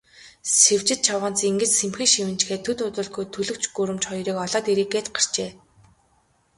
Сэвжид чавганц ингэж сэмхэн шивнэчхээд, төд удалгүй төлгөч гүрэмч хоёрыг олоод ирье гээд гарчээ.